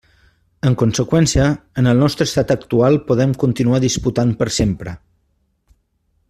En conseqüència, en el nostre estat actual podem continuar disputant per sempre.